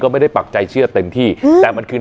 แล้วก็ไปซ่อนไว้ในคานหลังคาของโรงรถอีกทีนึง